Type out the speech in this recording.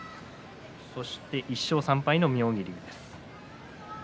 そして１勝３敗の妙義龍です。